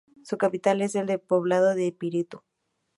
Su capital es el poblado de Píritu.